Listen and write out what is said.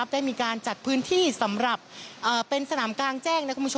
ได้มีการจัดพื้นที่สำหรับเป็นสนามกลางแจ้ง